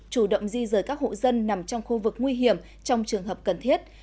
chủ động di rời các hộ dân nằm trong khu vực nguy hiểm trong trường hợp cần thiết